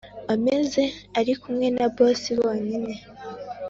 ameze arikumwe na boss bonyine